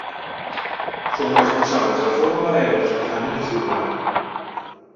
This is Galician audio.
Son os responsables da forma e do desprazamento celular.